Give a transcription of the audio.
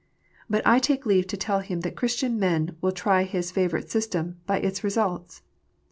But I take leave to tell him that Christian men will try his favourite system by its results.